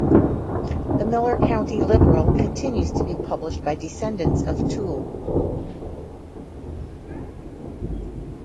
The "Miller County Liberal" continues to be published by descendants of Toole.